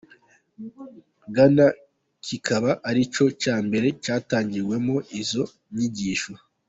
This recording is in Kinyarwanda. Ghana kikaba ari cyo cya mbere cyatangiwemo izo nyigisho.